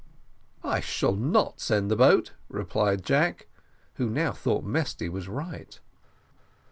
"I shall not send the boat," replied Jack, who now thought Mesty was right.